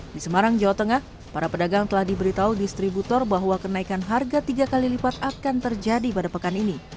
di semarang jawa tengah para pedagang telah diberitahu distributor bahwa kenaikan harga tiga kali lipat akan terjadi pada pekan ini